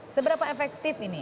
seberapa efektif ini